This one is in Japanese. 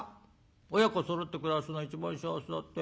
親子そろって暮らすのが一番幸せだって。